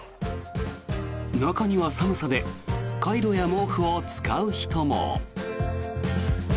中には、寒さでカイロや毛布を使う人も。